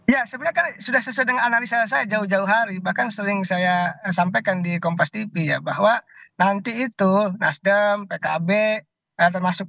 ya sebenarnya kan sudah sesuai dengan analisa saya jauh jauh hari bahkan sering saya sampaikan di kompas tv ya bahwa nanti itu nasdem pkb termasuk p tiga saya katakan akan masuk p tiga